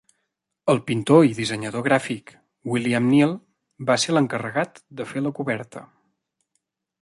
El pintor i dissenyador gràfic William Neal va ser l'encarregat de fer la coberta.